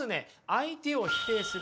「相手を否定する」